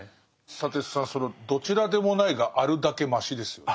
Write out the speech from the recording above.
砂鉄さんその「どちらでもない」があるだけマシですよね。